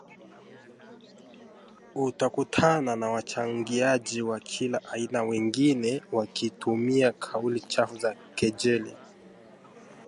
utakutana na wachangiaji wa kila aina wengine wakitumia kauli chafu za kejeli